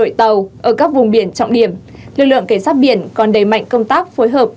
các vùng biển trọng điểm lực lượng cảnh sát biển còn đẩy mạnh công tác phối hợp